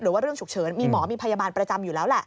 เรื่องฉุกเฉินมีหมอมีพยาบาลประจำอยู่แล้วแหละ